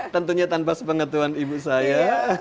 tentunya tanpa sepengetuan ibu saya